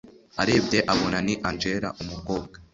arebye abona ni angella umukobwa